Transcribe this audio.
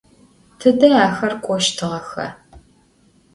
Tıde axer k'oştığexa?